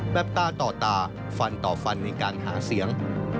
ตาต่อตาฟันต่อฟันในการหาเสียง